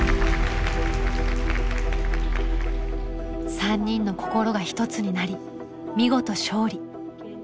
３人の心が一つになり見事勝利。